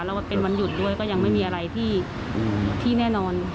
แล้วเป็นวันหยุดด้วยก็ยังไม่มีอะไรที่แน่นอน